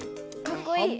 かっこいい。